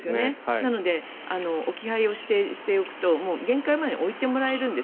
なので置き配を指定しておくと玄関前に置いてもらえるんです。